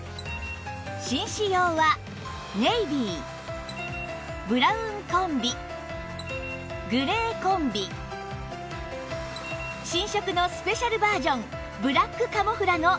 紳士用はネイビーブラウンコンビグレーコンビ新色のスペシャルバージョンブラックカモフラの４色